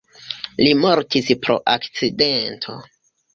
Li mortis pro akcidento.